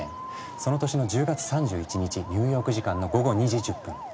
その年の１０月３１日ニューヨーク時間の午後２時１０分。